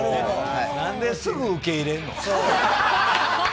なんですぐ受け入れんの？